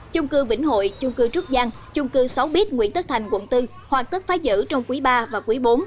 chung cư vĩnh hội chung cư trú giang chung cư sáu b nguyễn tất thành quận bốn hoàn tất phá giỡn trong quý ba và quý bốn